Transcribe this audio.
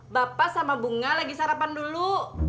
bapak sama bunga lagi sarapan dulu